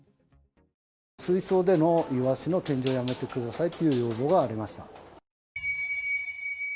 水槽でのイワシの展示をやめてくださいという要望がありました。